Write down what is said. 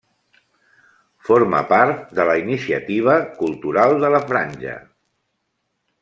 Forma part de la Iniciativa Cultural de la Franja.